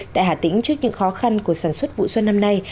tại hà tĩnh trước những khó khăn của sản xuất vụ xuân năm nay